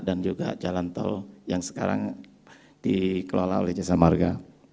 dan juga jalan tol yang sekarang dikelola oleh jasa marga